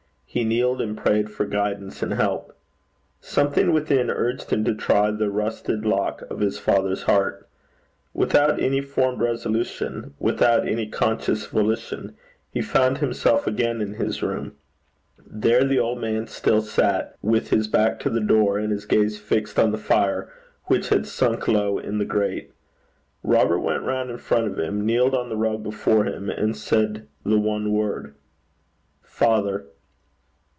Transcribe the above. He kneeled and prayed for guidance and help. Something within urged him to try the rusted lock of his father's heart. Without any formed resolution, without any conscious volition, he found himself again in his room. There the old man still sat, with his back to the door, and his gaze fixed on the fire, which had sunk low in the grate. Robert went round in front of him, kneeled on the rug before him, and said the one word, 'Father!'